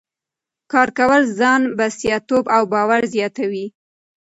کار کول ځان بسیا توب او باور زیاتوي.